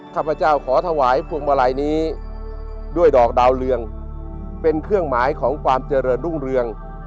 ข้าพเจ้าขอถวายพวงมาลัยนี้ด้วยดอกดาวเรืองเป็นเครื่องหมายของความเจริญรุ่งเรือง